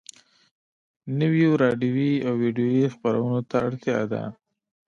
نويو راډيويي او ويډيويي خپرونو ته اړتيا ده.